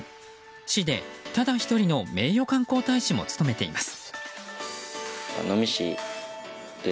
市で、ただ１人の名誉観光大使も務めています。